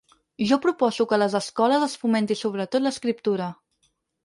Jo proposo que a les escoles es fomenti sobretot l’escriptura.